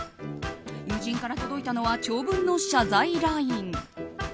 友人から届いたのは長文の謝罪ＬＩＮＥ。